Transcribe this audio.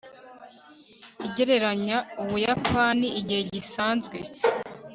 jst igereranya ubuyapani igihe gisanzwe